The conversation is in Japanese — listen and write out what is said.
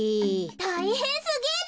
たいへんすぎる。